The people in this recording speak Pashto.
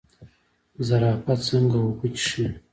زرافه څنګه اوبه څښي؟